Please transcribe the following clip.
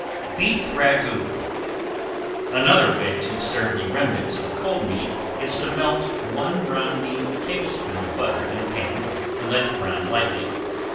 ~BEEF RAGOUT~ Another way to serve the remnants of cold meat is to melt one rounding tablespoon of butter in a pan and let it brown lightly.